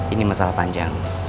ini masalah panjang